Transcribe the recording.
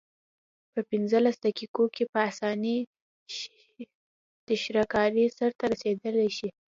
په پنځلس دقیقو کې په اسانۍ تراشکاري سرته رسیدلای شي.